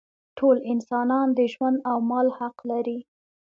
ټول انسانان د ژوند او مال حق لري.